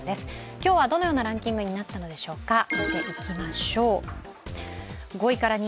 今日はどのようなランキングになったのでしょうか、見ていきましょう。